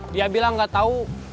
dia bilang nggak tau